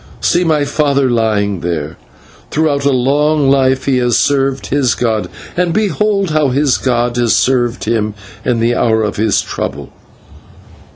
See my father lying there; throughout a long life he has served his god, and behold how his god has served him in the hour of his trouble.